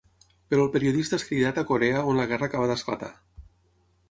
Però el periodista és cridat a Corea on la guerra acaba d'esclatar.